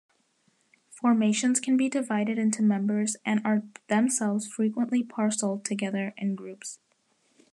Formations can be divided into members and are themselves frequently parcelled together in groups.